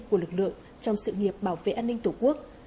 của lực lượng trong sự nghiệp bảo vệ an ninh tổ quốc